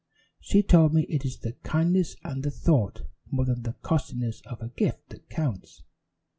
"She told me it is the kindness and the thought more than the costliness of a gift that counts.